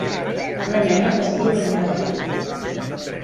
Una nena esquia pendent avall.